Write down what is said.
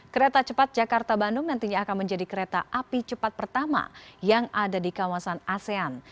kereta cepat jakarta bandung nantinya akan menjadi kereta api cepat pertama yang ada di kawasan asean